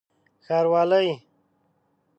ښاروالي